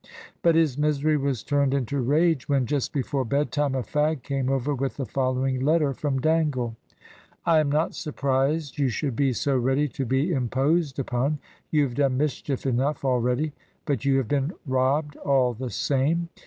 But his misery was turned into rage when, just before bedtime, a fag came over with the following letter from Dangle: "I am not surprised you should be so ready to be imposed upon. You have done mischief enough already; but you have been robbed all the same.